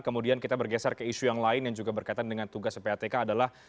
kemudian kita bergeser ke isu yang lain yang juga berkaitan dengan tugas ppatk adalah